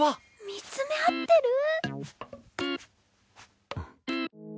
見つめ合ってる？